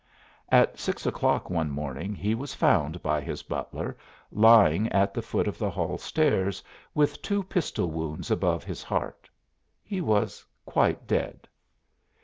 At six o'clock one morning he was found by his butler lying at the foot of the hall stairs with two pistol wounds above his heart. He was quite dead.